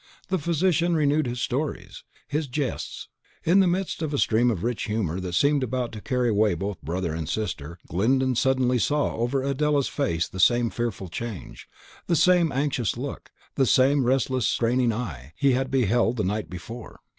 The physician renewed his stories, his jests. In the midst of a stream of rich humour that seemed to carry away both brother and sister, Glyndon suddenly saw over Adela's face the same fearful change, the same anxious look, the same restless, straining eye, he had beheld the night before.